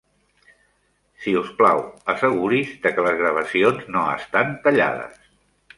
Si us plau, asseguris de que les gravacions no estan tallades.